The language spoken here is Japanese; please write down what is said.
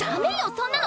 そんなの！